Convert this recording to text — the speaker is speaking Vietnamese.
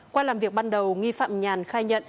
qua làm việc ban đầu nghi phạm nhàn khai nhận